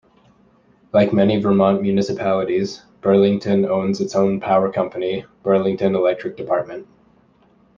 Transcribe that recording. Like many Vermont municipalities, Burlington owns its own power company, Burlington Electric Department.